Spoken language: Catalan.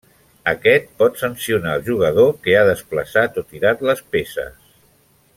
Aquest pot sancionar el jugador que ha desplaçat o tirat les peces.